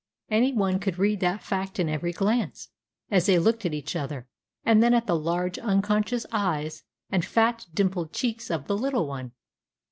Any one could read that fact in every glance, as they looked at each other, and then at the large, unconscious eyes, and fat, dimpled cheeks of the little one.